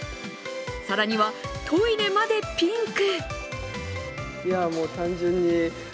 更には、トイレまでピンク！